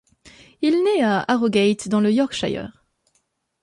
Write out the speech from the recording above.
Il naît à Harrogate dans le Yorkshire.